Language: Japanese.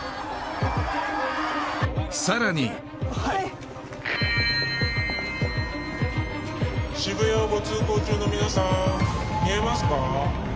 さらに渋谷をご通行中の皆さん見えますか？